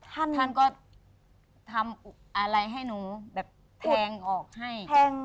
ท่านท่านก็ทำอะไรให้หนูแบบแทงออกให้